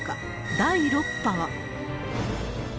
第６波は。